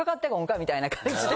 みたいな感じで。